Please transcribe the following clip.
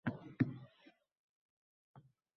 Umrimga ber barham